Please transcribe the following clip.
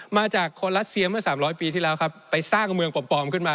มาจากคนรัสเซียเมื่อ๓๐๐ปีที่แล้วครับไปสร้างเมืองปลอมขึ้นมา